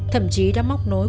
thậm chí đã móc nối